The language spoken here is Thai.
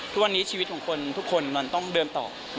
ทุกวันนี้ชีวิตของคนทุกคนมันต้องเดินต่อ